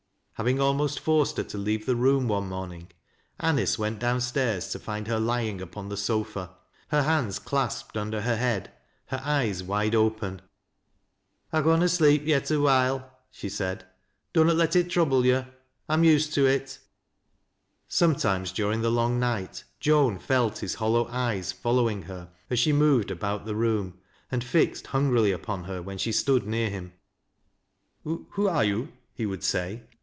Having almost forced her to leave the room one morning, Anice went down staii s to find her lying upon the sofa, — her hands clasped under her head, her eyes wide open. " I conna sleep yet a while," she said. " Dunnot let it trouole yo'. I'm used to it." Sometimes during the long night Joan felt his hollow syea following her as she moved about the room, and fixed hungrily upon her when she stood near him. " Who are you ?" he would say.